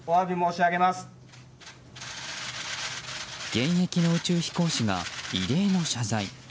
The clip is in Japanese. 現役の宇宙飛行士が異例の謝罪。